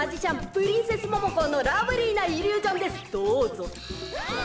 プリンセスモモコーのラブリーなイリュージョンですどうぞ。